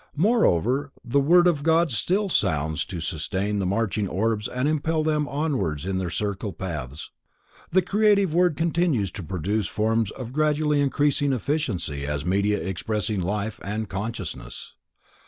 Moreover, the Word of God still sounds to sustain the marching orbs and impel them onwards in their circle paths, the Creative Word continues to produce forms of gradually increasing efficiency, as media expressing life and consciousness.